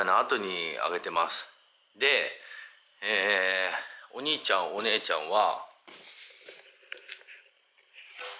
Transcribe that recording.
でお兄ちゃんお姉ちゃんは。